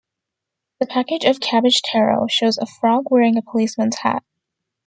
The package of "cabbage Taro" shows a frog wearing a policeman's hat.